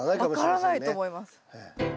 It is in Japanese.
分からないと思います。